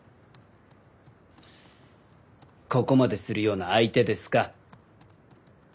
ここまでするような相手ですか？